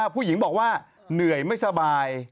ผู้หญิงบอกว่าเหนื่อยไม่สบาย